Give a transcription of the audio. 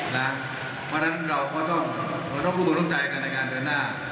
นะครั้งนั้นเราก็ต้องถูกหลุมจ่ายกันในงานเดือนหน้า